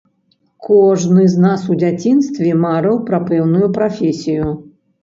Кожны з нас у дзяцінстве марыў пра пэўную прафесію.